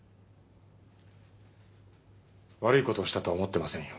悪い事をしたとは思っていませんよ。